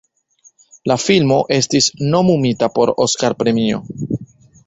La filmo estis nomumita por Oskar-premio.